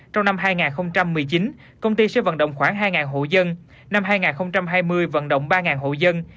trong năm hai nghìn một mươi chín công ty sẽ vận động khoảng hai hộ dân năm hai nghìn hai mươi vận động ba hộ dân